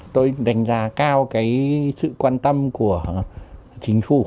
tôi đánh giá cao cái sự quan tâm của chính phủ